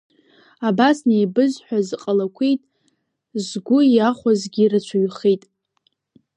Абас неибызҳәаз ҟалақәеит, згәы иахәазгьы рацәаҩхеит.